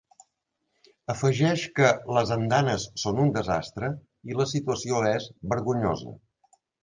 Afegeix que ‘les andanes són un desastre’ i la situació és ‘vergonyosa’.